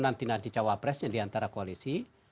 nanti nanti cawapresnya diantara koalisi